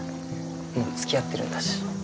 もうつきあってるんだし